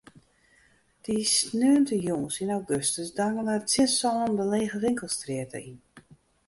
Dy sneontejûns yn augustus dangele er tsjin sânen de lege winkelstrjitte yn.